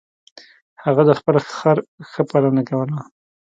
هغه د خپل خر ښه پالنه کوله.